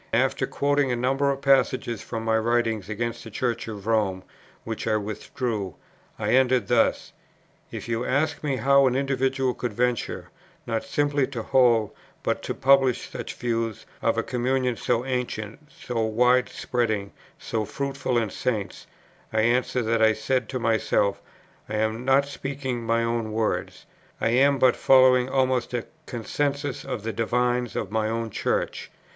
After quoting a number of passages from my writings against the Church of Rome, which I withdrew, I ended thus: "If you ask me how an individual could venture, not simply to hold, but to publish such views of a communion so ancient, so wide spreading, so fruitful in Saints, I answer that I said to myself, 'I am not speaking my own words, I am but following almost a consensus of the divines of my own Church.